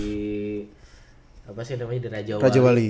di apa sih namanya di raja wali